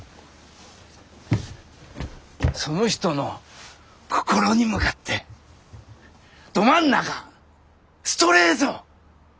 その人の心に向かってど真ん中ストレート！